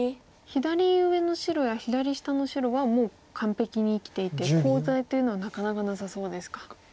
左上の白や左下の白はもう完璧に生きていてコウ材というのはなかなかなさそうですか。